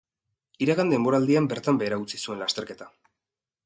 Iragan denboraldian bertan behera utzi zuten lasterketa.